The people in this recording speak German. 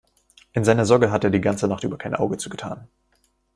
In seiner Sorge hat er die ganze Nacht über kein Auge zugetan.